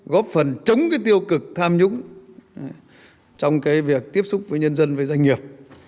góp phần chống cái tiêu cực tham nhũng trong việc tiếp xúc với nhân dân với doanh nghiệp